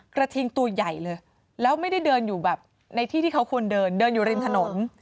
กระทิงตัวใหญ่เลยแล้วไม่ได้เดินอยู่แบบในที่ที่เขาควรเดินเดินอยู่ริมถนน